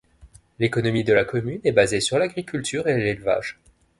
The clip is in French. L'économie de la commune est basée sur l'agriculture et l'élevage.